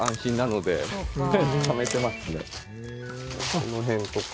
この辺とか。